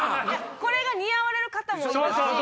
これが似合われる方もいますし。